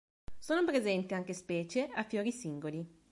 Sono presenti anche specie a fiori singoli.